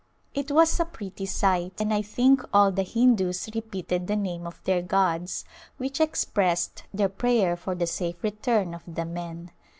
It was a pretty sight, and I think all the Hindus repeated the name of their gods, which ex pressed their prayer for the safe return of the men.